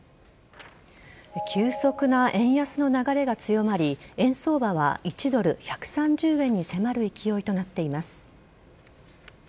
急速な円安の流れが強まり円相場は１ドル１３０円に迫る勢いとなっています。